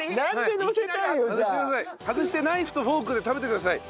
外してナイフとフォークで食べてください。